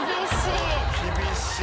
厳しい！